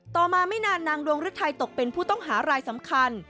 ต่อมาไม่นานนางดวงฤทัยตกเป็นผู้ต้องหารายสำคัญ